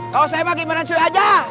kalau saya mah gimana cuy aja